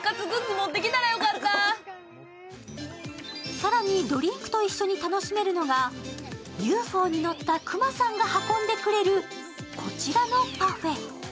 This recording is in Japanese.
更にドリンクと一緒に楽しめるのがＵＦＯに乗った熊さんが運んでくれるこちらのパフェ。